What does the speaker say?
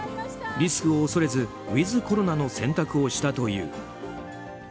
リスクを恐れずウィズコロナの選択をしたという。